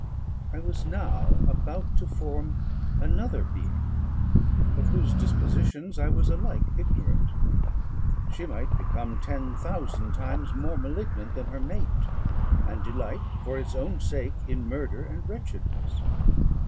I was now about to form another being, of whose dispositions I was alike ignorant; she might become ten thousand times more malignant than her mate, and delight, for its own sake, in murder and wretchedness.